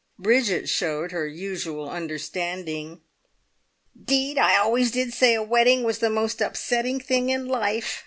Bridget showed her usual understanding. "'Deed, I always did say a wedding was the most upsetting thing in life!"